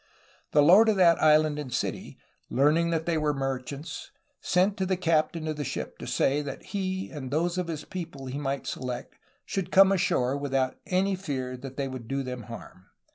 The lord of that island and city, learning that they were merchants, sent to the captain of the ship to say that he and those of his people he might select should come ashore without any fear that they would do them harm.